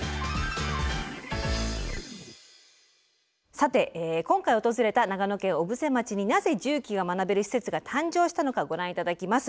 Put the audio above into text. さて今回訪れた長野県小布施町になぜ重機が学べる施設が誕生したのかご覧頂きます。